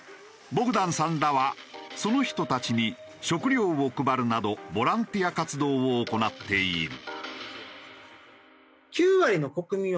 ボグダンさんらはその人たちに食料を配るなどボランティア活動を行っている。